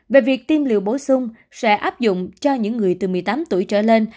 về việc tiêm liều bổ sung sẽ áp dụng cho những người từ một mươi tám tuổi trở lên